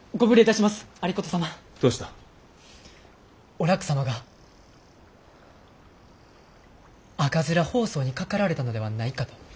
お楽様が赤面疱瘡にかかられたのではないかと。